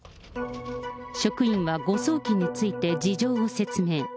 職員は誤送金について事情を説明。